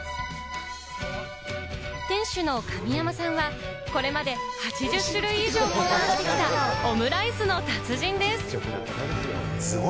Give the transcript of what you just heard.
店主の神山さんはこれまで８０種類以上を考案してきた、オムライスの達人です。